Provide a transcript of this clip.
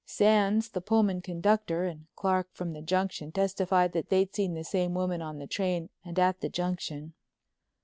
Sands, the Pullman conductor, and Clark, from the Junction, testified that they'd seen the same woman on the train and at the Junction.